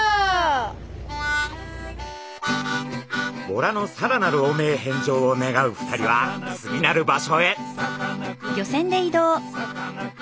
ボラのさらなる汚名返上を願う２人は次なる場所へ！